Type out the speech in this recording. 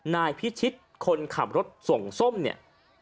นายพิชิตคนขับรถส่งส้มเนี่ย